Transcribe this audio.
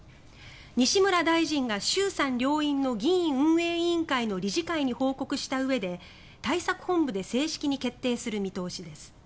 西村大臣が衆参両院の議院運営委員会の理事会に報告したうえで対策本部で正式に決定する見通しです。